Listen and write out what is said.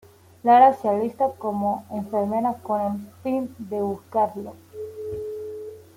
Lara se alista como enfermera con el fin de buscarlo.